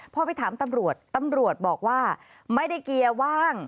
พอไปถามตำรวจตำรวจบอกว่าไม่ได้เกียร์ว่าง